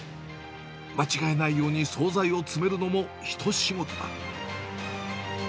間違えないように総菜を詰めるのも一仕事だ。